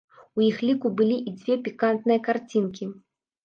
У іх ліку былі і дзве пікантныя карцінкі.